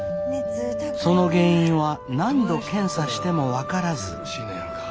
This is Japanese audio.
その原因は何度検査しても分からず。